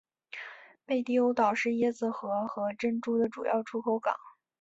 贝蒂欧岛是椰子核和珍珠的主要出口港。